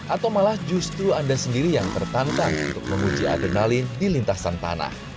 atau malah justru anda sendiri yang tertantang untuk menguji adrenalin di lintasan tanah